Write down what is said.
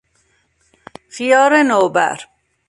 خیار نوبر